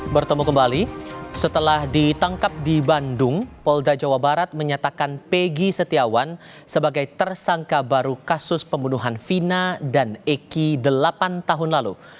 bertemu kembali setelah ditangkap di bandung polda jawa barat menyatakan pegi setiawan sebagai tersangka baru kasus pembunuhan vina dan eki delapan tahun lalu